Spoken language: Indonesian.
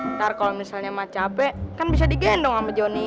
ntar kalo misalnya ma'am ojo capek kan bisa digendong sama joni